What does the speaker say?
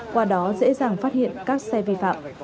qua đó dễ dàng phát hiện các xe vi phạm